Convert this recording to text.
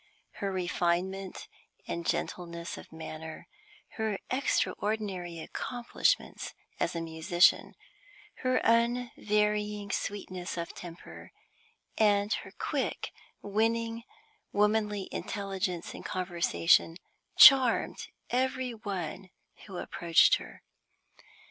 Her refinement and gentleness of manner; her extraordinary accomplishments as a musician; her unvarying sweetness of temper, and her quick, winning, womanly intelligence in conversation, charmed every one who approached her.